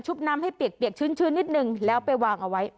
น้ำให้เปียกชื้นนิดนึงแล้วไปวางเอาไว้